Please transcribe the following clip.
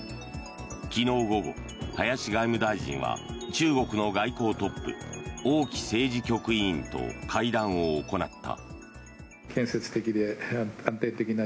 昨日午後、林外務大臣は中国の外交トップ王毅政治局委員と会談を行った。